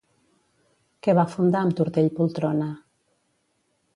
Què va fundar amb Tortell Poltrona?